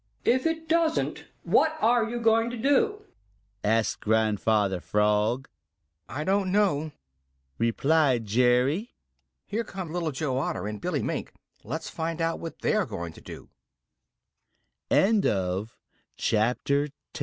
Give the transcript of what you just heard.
"If it doesn't, what are you going to do?" asked Grandfather Frog. "I don't know," replied Jerry Muskrat. "Here come Little Joe Otter and Billy Mink; let's find out what they are going to do." CHAPTER XI: Five